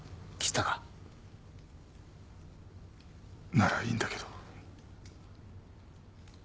ならいいんだけど。